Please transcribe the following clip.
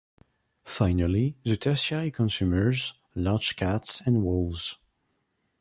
Finally the tertiary consumers, large cats and wolves.